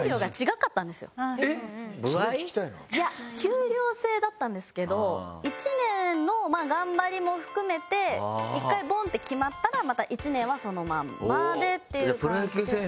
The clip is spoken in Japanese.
いや給料制だったんですけど１年の頑張りも含めて１回ボンって決まったらまた１年はそのまんまでっていう。